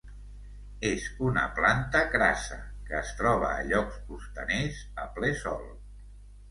És una planta crassa que es troba a llocs costaners, a ple Sol.